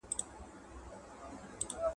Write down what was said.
اسلام مو دین دی.